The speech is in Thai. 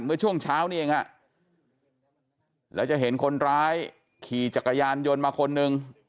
เมื่อช่วงเช้านี้เองแล้วจะเห็นคนร้ายขี่จักรยานยนต์มาคนหนึ่ง